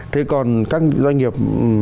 thế còn các doanh nghiệp